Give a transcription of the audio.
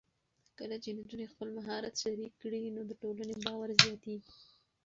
کله چې نجونې خپل مهارت شریک کړي، نو د ټولنې باور زیاتېږي.